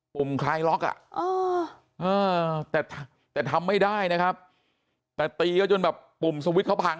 ุ่มคลายล็อกอ่ะแต่ทำไม่ได้นะครับแต่ตีเขาจนแบบปุ่มสวิตช์เขาพัง